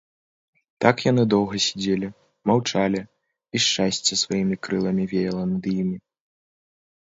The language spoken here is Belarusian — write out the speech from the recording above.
Так яны доўга сядзелі, маўчалі, і шчасце сваімі крыламі веяла над імі.